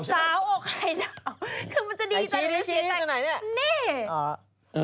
ออกไข่ดาวคือมันจะดีตอนนี้เสียจักรเน่คือมันจะดีตอนนี้เสียจักรเน่